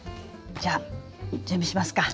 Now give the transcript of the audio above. じゃあ準備しますか。